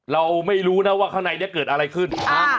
เราไม่รู้นะว่าข้างในนี้เกิดอะไรขึ้น